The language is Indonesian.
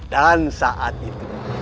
dan saat itu